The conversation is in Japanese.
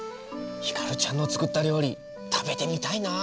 ヒカルちゃんの作った料理食べてみたいなあ。